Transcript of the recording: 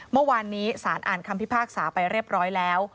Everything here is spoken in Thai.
เมื่อวานนี้สารอ่านคำพิพากษาไปเรียบร้อยแล้ว